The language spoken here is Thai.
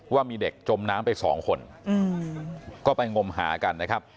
ว่ามีเด็กจมน้ำไปสองคนก็ไปงมหากันนะครับ